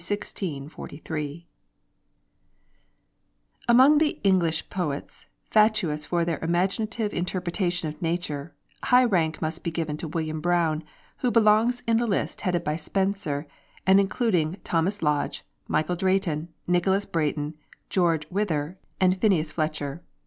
WILLIAM BROWNE (1591 1643) Among the English poets fatuous for their imaginative interpretation of nature, high rank must be given to William Browne, who belongs in the list headed by Spenser, and including Thomas Lodge, Michael Drayton, Nicholas Breton, George Wither, and Phineas Fletcher.